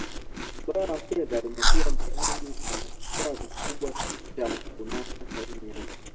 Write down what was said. Suala la fedha limekuwa mtihani na kikwazo kikubwa cha kunasa saini yake